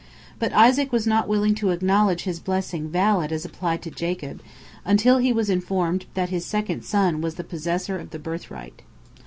But Isaac was not willing to acknowledge his blessing valid as applied to Jacob, until he was informed that his second son was the possessor of the birthright.